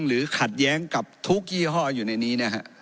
ขัดแย้งกับทุกยี่ห้ออยู่ในนี้นะฮะ